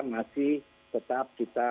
masih tetap kita